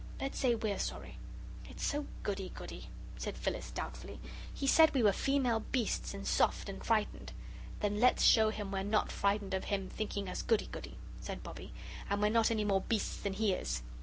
Let's say we're sorry." "It's so goody goody," said Phyllis, doubtfully; "he said we were female beasts, and soft and frightened " "Then let's show him we're not frightened of him thinking us goody goody," said Bobbie; "and we're not any more beasts than he is."